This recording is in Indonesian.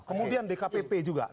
kemudian di kpp juga